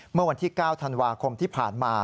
เมื่อวันที่๙ธันวาคมที่ผ่านมา